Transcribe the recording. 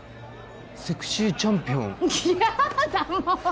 セクシーチャンピオン？やだ